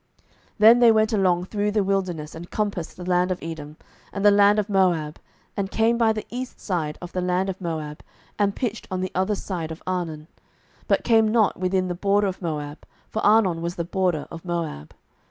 07:011:018 Then they went along through the wilderness, and compassed the land of Edom, and the land of Moab, and came by the east side of the land of Moab, and pitched on the other side of Arnon, but came not within the border of Moab: for Arnon was the border of Moab.